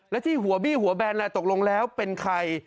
และที่หัวบี้หัวแบนตกลงแล้วเป็นใคร